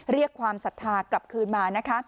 เรียกความศรัทธากลับคืนมานะคะ